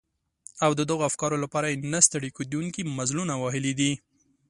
او د دغو افکارو لپاره يې نه ستړي کېدونکي مزلونه وهلي دي.